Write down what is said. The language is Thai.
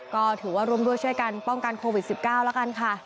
ก็ถือว่าร่วมด้วยช่วยกันป้องกันโควิด๑๙แล้วกันค่ะ